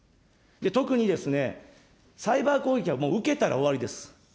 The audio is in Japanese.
特に、サイバー攻撃はもう受けたら終わりです。